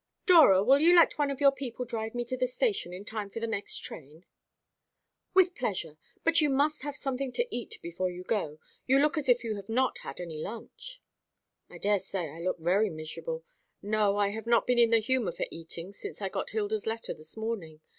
"Dora, will you let one of your people drive me to the station, in time for the next train?" "With pleasure. But you must have something to eat before you go. You look as if you had not had any lunch." "I daresay I look very miserable. No, I have not been in the humour for eating since I got Hilda's letter this morning.